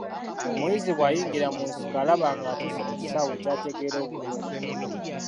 Omuyizzi bw'ayingira mu nsiko alaba ng'atuuse mu kisaawe ky'ategeera obulungi